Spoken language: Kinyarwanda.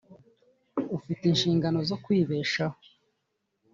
ufite inshingano zo kwibeshaho